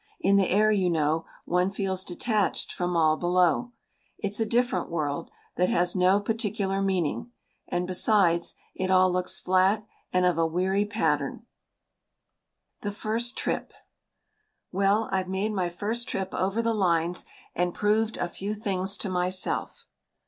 In the air, you know, one feels detached from all below. It's a different world, that has no particular meaning, and besides, it all looks flat and of a weary pattern. THE FIRST TRIP Well, I've made my first trip over the lines and proved a few things to myself.